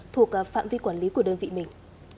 thuộc phạm vi quản lý của đơn vị mình